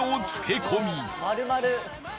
丸々。